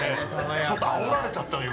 ちょっとあおられちゃったよ